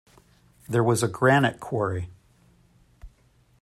There was a granite quarry.